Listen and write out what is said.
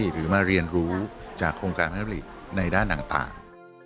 หรือมาเรียนรู้จากโครงการพระราชดำริในด้านต่าง